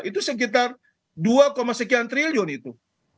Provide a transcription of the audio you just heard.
itu sekitar dua sekian triliun itu